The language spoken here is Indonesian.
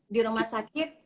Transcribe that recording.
di rumah sakit